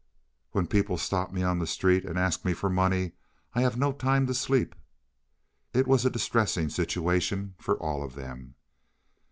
"When people stop me on the street and ask me for money I have no time to sleep." It was a distressing situation for all of them.